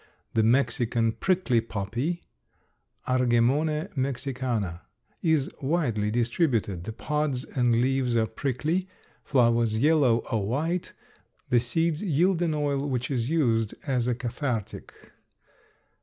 The Mexican prickly poppy (Argemone Mexicana) is widely distributed. The pods and leaves are prickly, flowers yellow or white; the seeds yield an oil which is used as a cathartic.